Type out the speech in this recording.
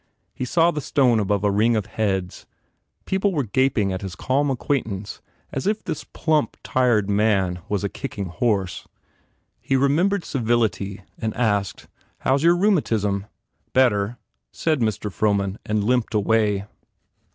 He saw the stone above a ring of heads. People were gaping at his calm acquaintance as if this plump, tired man was a kicking horse. He remembered civility and asked, "How s your rheumatism?" "Better," said Mr. Frohman and limped away.